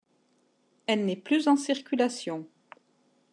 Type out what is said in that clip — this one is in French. Elle n'est plus en circulation.